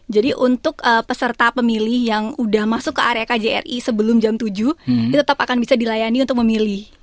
jadi untuk peserta pemilih yang udah masuk ke area kjri sebelum jam tujuh tetap akan bisa dilayani untuk memilih